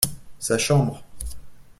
Sa chambre.